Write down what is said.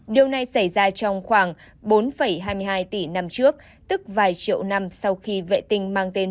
điều này xảy ra trong khoảng bốn hai mươi hai tỷ năm trước tức vài triệu năm sau khi vệ tinh mang tên